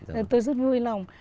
vâng tôi rất vui lòng